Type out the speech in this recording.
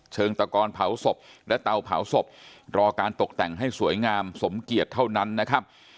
เชิงตะกอนเผาศพและเตาเผาศพรอการตกแต่งให้สวยงามสมเกียจเท่านั้นนะครับ